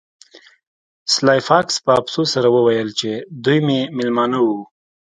سلای فاکس په افسوس سره وویل چې دوی مې میلمانه وو